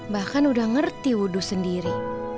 bahkan udah ngerti wudhu sendiri